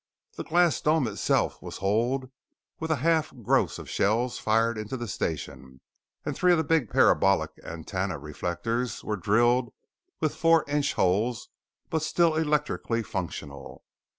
The glass dome itself was holed with a half gross of shells fired into the station, and three of the big parabolic antenna reflectors were drilled with four inch holes but still electrically functional.